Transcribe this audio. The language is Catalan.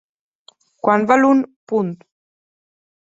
Quant val un.?